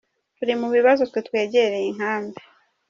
Turi mu bibazo twe twegereye inkambi.